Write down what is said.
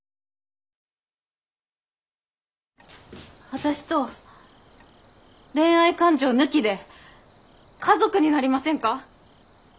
私と恋愛感情抜きで家族になりませんか？